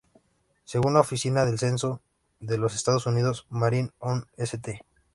Según la Oficina del Censo de los Estados Unidos, Marine on St.